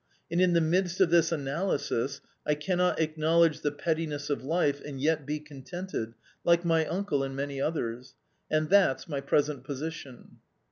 And in the midst of this analysis I cannot acknowledge the pettiness of life and yet be contented, like my uncle and many others. And that's my present position